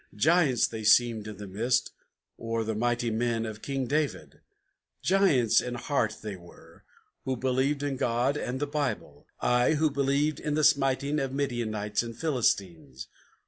Giants they seemed in the mist, or the mighty men of King David; Giants in heart they were, who believed in God and the Bible, Ay, who believed in the smiting of Midianites and Philistines.